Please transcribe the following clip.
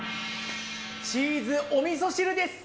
チーズおみそ汁です。